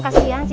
buat apa nih